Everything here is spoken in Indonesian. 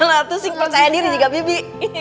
nah terus singkong kayak diri juga bibi